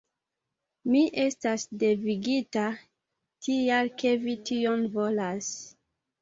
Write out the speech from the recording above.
Mi estas devigita, tial ke vi tion volas.